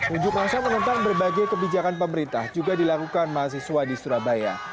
unjuk rasa menentang berbagai kebijakan pemerintah juga dilakukan mahasiswa di surabaya